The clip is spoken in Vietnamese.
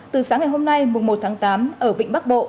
từ sáng ngày hôm nay một tháng tám ở vịnh bắc bộ